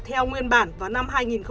theo nguyên bản vào năm hai nghìn một mươi